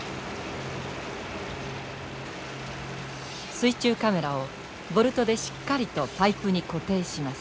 水中カメラをボルトでしっかりとパイプに固定します。